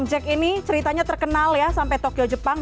jack ini ceritanya terkenal ya sampai tokyo jepang